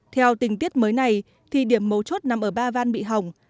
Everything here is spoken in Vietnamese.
theo tình tiết mới này thì điểm mấu chốt nằm ở ba van bị hỏng